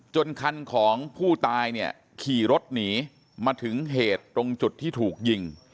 คันของผู้ตายเนี่ยขี่รถหนีมาถึงเหตุตรงจุดที่ถูกยิง